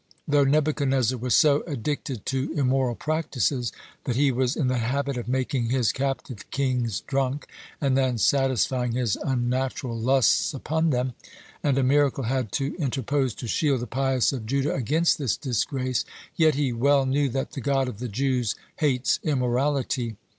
(106) Though Nebuchadnezzar was so addicted to immoral practices that he was in the habit of making his captive kings drunk, and then satisfying his unnatural lusts upon them, and a miracle had to interpose to shield the pious of Judah against this disgrace, (107) yet he well knew that the God of the Jews hates immorality.